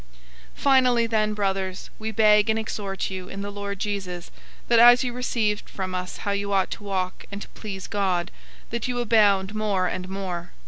004:001 Finally then, brothers, we beg and exhort you in the Lord Jesus, that as you received from us how you ought to walk and to please God, that you abound more and more.